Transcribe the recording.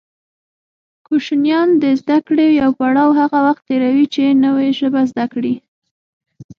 کوشنیان د زده کړې يو پړاو هغه وخت تېروي چې نوې ژبه زده کوي